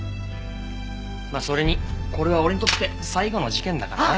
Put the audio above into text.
まあそれにこれは俺にとって最後の事件だからな。